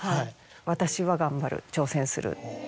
私は頑張る挑戦する。